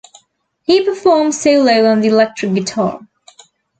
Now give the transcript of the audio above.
He performs solo on the electric guitar.